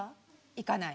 行かない。